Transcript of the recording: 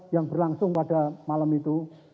yang berlangsung pada malam itu